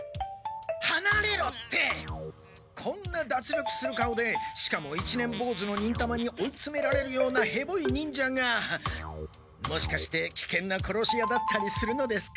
はなれろってこんなだつりょくする顔でしかも一年ぼうずの忍たまに追いつめられるようなヘボい忍者がもしかしてきけんなころし屋だったりするのですか？